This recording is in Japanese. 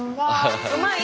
うまい？